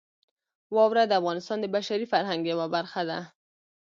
واوره د افغانستان د بشري فرهنګ یوه برخه ده.